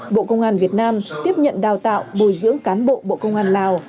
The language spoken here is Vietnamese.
bộ công an việt nam tiếp nhận đào tạo bồi dưỡng cán bộ bộ công an lào